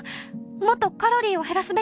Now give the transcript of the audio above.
もっとカロリーを減らすべき。